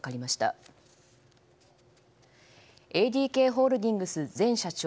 ＡＤＫホールディングス前社長